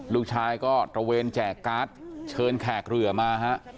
ลูกชายก็ตระเวนแจกการ์ดเชิญแขกเรือมาฮะ